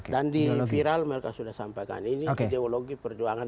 dan di viral mereka sudah sampaikan ini ideologi perjuangan